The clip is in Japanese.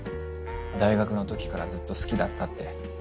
大学の時からずっと好きだったって。